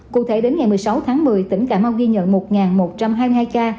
cụ thể đến ngày một mươi sáu tháng một mươi tỉnh cà mau ghi nhận một một trăm hai mươi hai ca